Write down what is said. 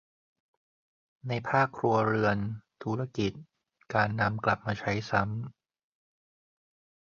ในภาคครัวเรือน ธุรกิจ การนำกลับมาใช้ซ้ำ